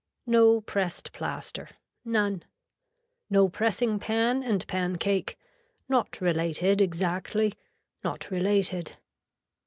No pressed plaster. None. No pressing pan and pan cake. Not related exactly. Not related.